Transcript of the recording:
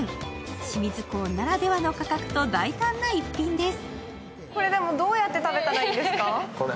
清水港ならではの価格と大胆な１品です。